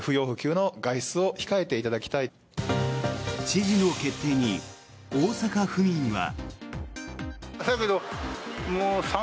知事の決定に大阪府民は。